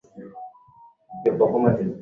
Lami hii haijakauka.